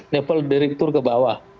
level direktur ke bawah